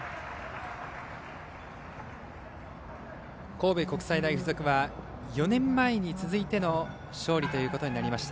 神戸国際大付属は４年前に続いての勝利となりました。